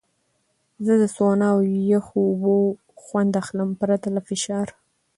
زه له سونا او یخو اوبو خوند اخلم، پرته له فشار.